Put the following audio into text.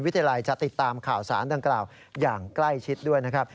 วิทยาลัยจะติดตามข่าวสารดังกล่าวอย่างใกล้ชิดด้วยนะครับ